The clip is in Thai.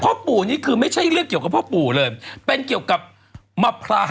พ่อปู่นี่คือไม่ใช่เรื่องเกี่ยวกับพ่อปู่เลยเป็นเกี่ยวกับมะพร้าว